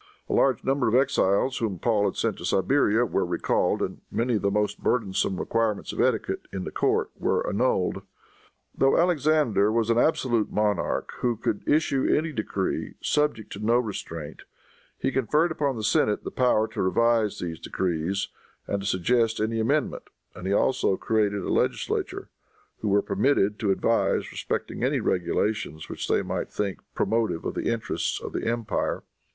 A large number of exiles, whom Paul had sent to Siberia, were recalled, and many of the most burdensome requirements of etiquette, in the court, were annulled. Though Alexander was an absolute monarch, who could issue any decree, subject to no restraint, he conferred upon the senate the power to revise these decrees, and to suggest any amendment; and he also created a legislature who were permitted to advise respecting any regulations which they might think promotive of the interests of the empire.